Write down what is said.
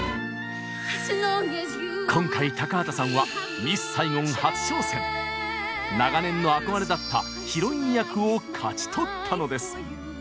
今回高畑さんは長年の憧れだったヒロイン役を勝ち取ったのです！